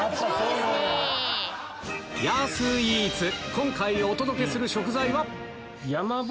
今回お届けする食材は？